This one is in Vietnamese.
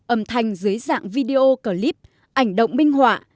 âm thanh dưới dạng video clip ảnh động minh họa